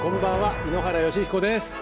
井ノ原快彦です。